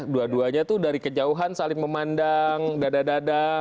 dua duanya tuh dari kejauhan saling memandang dadadada